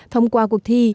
thông qua cuộc thi